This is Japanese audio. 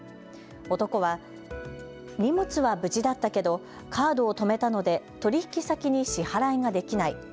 男は荷物は無事だったけどカードを止めたので取引先に支払いができない。